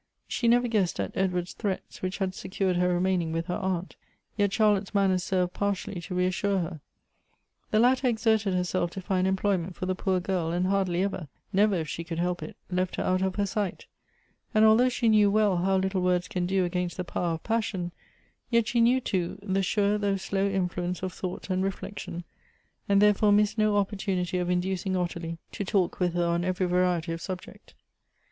She never guessed at Edward's threats, which had secured her remaining with her aunt. Yet Charlotte's manner served partially to reassure her. The latter exerted herself to find employment for the poor girl, and hardly ever, — never, if she could help it, — left her out of her sight ; and although she knew well how little words can do against the power of passion, yet she knew, too, the sure though slow influence of thought and reflection, and therefore missed no opportunity of inducing Ottilie to talk with her on every variety of subject.